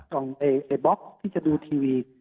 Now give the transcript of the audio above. ช่องบล็อคที่จะดูทีวี